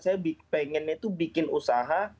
saya pengennya itu bikin usaha